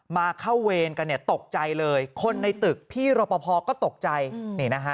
มาเข้าเวรกันเนี่ยตกใจเลยคนในตึกพี่รปภก็ตกใจนี่นะฮะ